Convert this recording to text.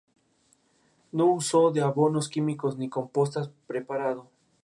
No uso de abonos químicos ni compost preparado.